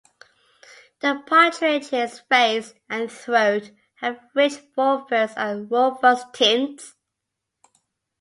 The partridge's face and throat have rich fulvous and rufous tints.